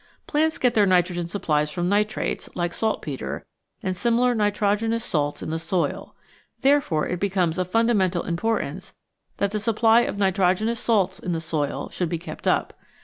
Plants get their nitrogen supplies from nitrates, like saltpetre, and similar nitrogenous salts in the soil. Therefore it becomes of fundamental importance that the supply of nitrogenous salts in the soil should be kept up.